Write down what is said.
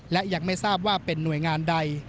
และยังไม่ทราบว่าเป็นหน่วยงานใด